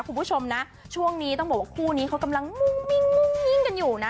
คุณผู้ชมนะช่วงนี้ต้องบอกว่าคู่นี้เขากำลังมุ่งมิ้งมุ่งมิ้งกันอยู่นะ